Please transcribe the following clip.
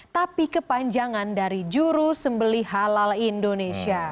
tapi kepanjangan dari juru sembeli halal indonesia